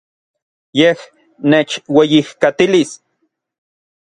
Yej nechueyijkatilis.